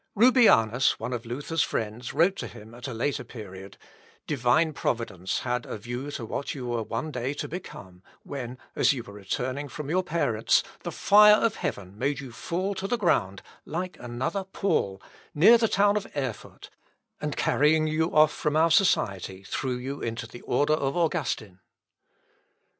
Rubianus, one of Luther's friends, wrote to him at a later period: "Divine Providence had a view to what you were one day to become, when, as you were returning from your parents, the fire of heaven made you fall to the ground like another Paul, near the town of Erfurt, and carrying you off from our society, threw you into the Order of Augustine."